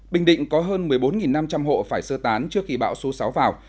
bình định có hơn một mươi bốn năm trăm linh hộ phải sơ tán trước khi bão số sáu vào